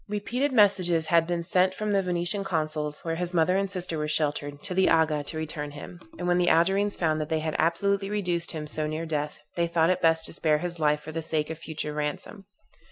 Repeated messages had been sent from the Venetian consul's, where his mother and sister were sheltered, to the Aga, to return him; and when the Algerines found that they had absolutely reduced him so near death, they thought it best to spare his life for the sake of future ransom.